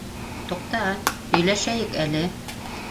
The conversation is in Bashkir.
Туҡта, һөйләшәйек әле.